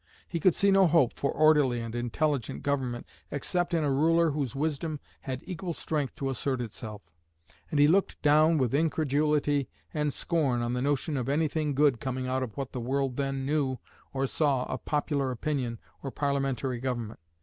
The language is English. He could see no hope for orderly and intelligent government except in a ruler whose wisdom had equal strength to assert itself; and he looked down with incredulity and scorn on the notion of anything good coming out of what the world then knew or saw of popular opinion or parliamentary government.